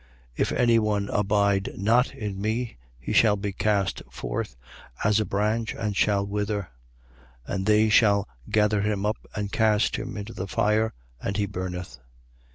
15:6. If any one abide not in me, he shall be cast forth as a branch and shall wither: and they shall gather him up and cast him into the fire: and he burneth.